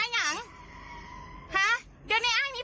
อย่างไรนี้